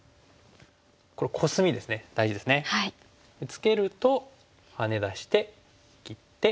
ツケるとハネ出して切って。